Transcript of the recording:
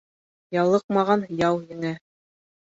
Ялыҡмаған яу еңә.